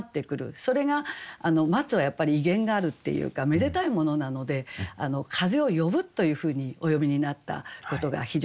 それが松はやっぱり威厳があるっていうかめでたいものなので「風を呼ぶ」というふうにお詠みになったことが非常によかった。